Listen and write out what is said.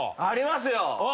ありますよ。